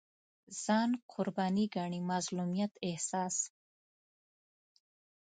ځان قرباني ګڼي مظلومیت احساس